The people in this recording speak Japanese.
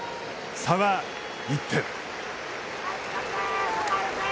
差は、１点。